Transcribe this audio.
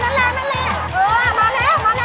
เอ้าโอ้ยมาแล้วมาแล้วมาแล้ว